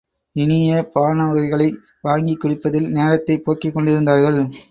இனிய பாணவகைகளை வாங்கிக் குடிப்பதில் நேரத்தை போக்கிக் கொண்டிருந்தார்கள்.